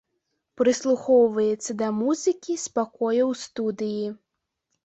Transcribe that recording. Прыслухоўваецца да музыкі з пакояў студыі.